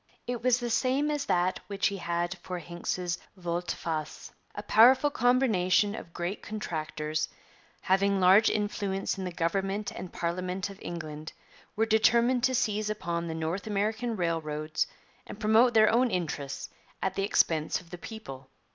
It was the same as that which he had for Hincks's volte face. 'A powerful combination of great contractors, having large influence in the Government and Parliament of England, were determined to seize upon the North American railroads and promote their own interests at the expense of the people.'